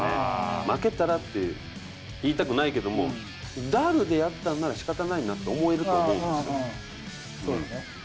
負けたらって言いたくないけども、ダルでやったんならしかたないなそうだね。